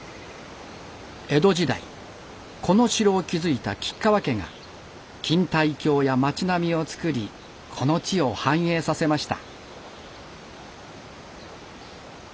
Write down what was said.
江戸時代この城を築いた吉川家が錦帯橋や町並みをつくりこの地を繁栄させました。